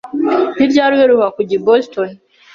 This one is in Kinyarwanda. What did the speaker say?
Ni ryari uheruka kujya i Boston?